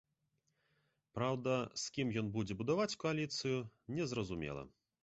Праўда, з кім ён будзе будаваць кааліцыю, не зразумела.